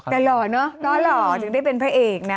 แต่หล่อเนอะก็หล่อถึงได้เป็นพระเอกนะ